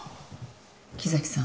木崎さん